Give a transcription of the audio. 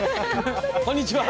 こんにちは。